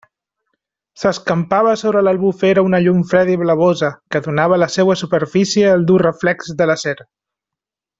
S'escampava sobre l'Albufera una llum freda i blavosa, que donava a la seua superfície el dur reflex de l'acer.